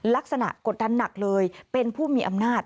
กดดันหนักเลยเป็นผู้มีอำนาจ